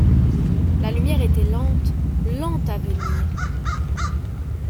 La lumière était lente, lente à venir.